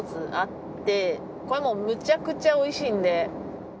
これはもうむちゃくちゃおいしいんで。